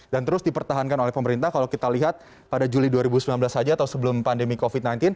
dan terus dipertahankan oleh pemerintah kalau kita lihat pada juli dua ribu sembilan belas saja atau sebelum pandemi covid sembilan belas